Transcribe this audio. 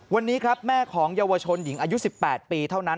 วันนี้ครับแม่ของเยาวชนหญิงอายุ๑๘ปีเท่านั้น